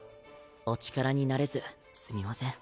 お力になれずすみません。